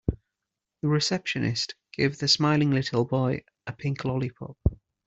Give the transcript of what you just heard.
The receptionist gave the smiling little boy a pink lollipop.